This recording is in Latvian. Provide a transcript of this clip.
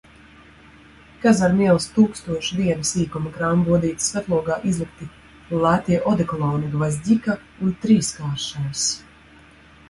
Kazarmu ielas tūkstoš viena sīkuma krāmu bodītes skatlogā izlikti lētie odekoloni, "Gvozģika" un "Trīskāršais".